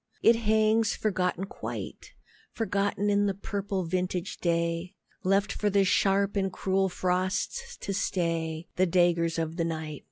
It hangs forgotten quite, Forgotten in the purple vintage day, Left for the sharp and cruel frosts to slay, The daggers of the night.